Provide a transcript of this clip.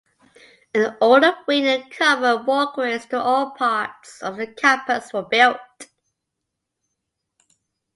An Oldham Wing and covered walkways to all parts of the campus were built.